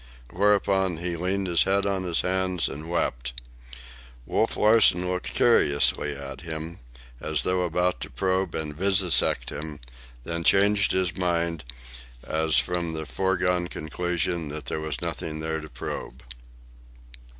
Whereupon he leaned his head on his hands and wept. Wolf Larsen looked curiously at him, as though about to probe and vivisect him, then changed his mind, as from the foregone conclusion that there was nothing there to probe.